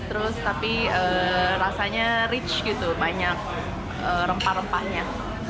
terus tapi rasanya rich gitu banyak rempah rempahnya